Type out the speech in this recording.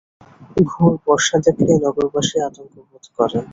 ঘোর বর্ষা দেখলেই নগরবাসী আতঙ্ক বোধ করেন।